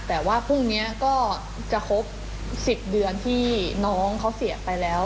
แต่ว่าพรุ่งนี้ก็จะครบ๑๐เดือนที่น้องเขาเสียไปแล้ว